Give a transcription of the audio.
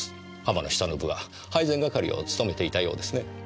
浜野久信は配膳係を務めていたようですね。